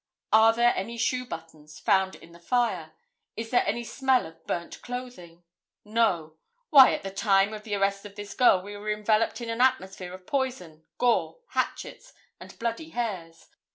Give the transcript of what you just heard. Are there any shoe buttons found in the fire? Is there any smell of burnt clothing? No. Why, at the time of the arrest of this girl we were enveloped in an atmosphere of poison, gore, hatchets and bloody hairs.